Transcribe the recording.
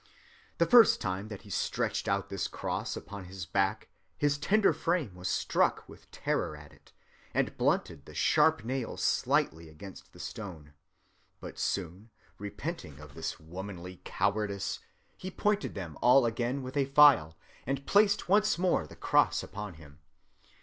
"The first time that he stretched out this cross upon his back his tender frame was struck with terror at it, and blunted the sharp nails slightly against a stone. But soon, repenting of this womanly cowardice, he pointed them all again with a file, and placed once more the cross upon him.